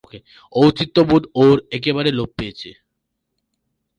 ঔচিত্যবোধ ওর একেবারে লোপ পেয়েছে।